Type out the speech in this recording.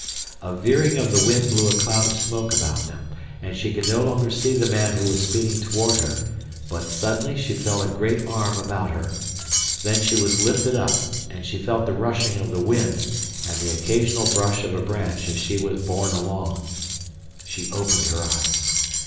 A veering of the wind blew a cloud of smoke about them and she could no longer see the man who was speeding toward her, but suddenly she felt a great arm about her. Then she was lifted up, and she felt the rushing of the wind and the occasional brush of a branch as she was borne along. She opened her eyes.